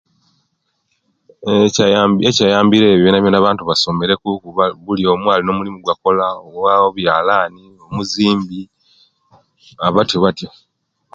Ekyambire ekyo bonavona abantu basomere ku buliyomu yena akola oba byalani muzimbi aa batyo batyo